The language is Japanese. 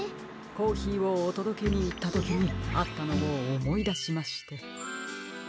コーヒーをおとどけにいったときにあったのをおもいだしまして。